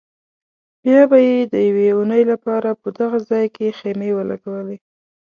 بیا به یې د یوې اونۍ لپاره په دغه ځای کې خیمې ولګولې.